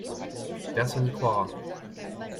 Personne n'y croira.